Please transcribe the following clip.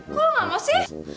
kok lo gak mau sih